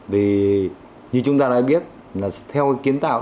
vì như chúng ta đã biết là theo kiến tạo